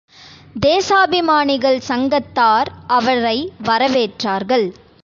தேசாபிமானிகள் சங்கத்தார் அவரை வரவேற்றார்கள்.